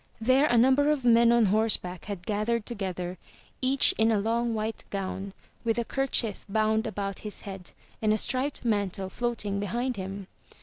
There a number of men on horseback had gathered together, each in a long white gown, with a kerchief bound about his head, and a striped mantle floating behind him.